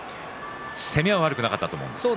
攻めは悪くなかったと思います。